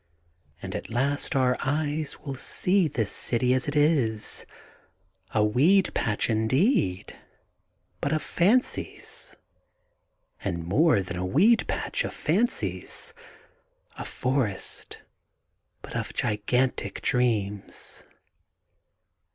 And at last our eyes will see this city as it is, a weed patch indeed, but of fancies. And more than a weed patch of fancies, — a forest, but of gigantic dreams.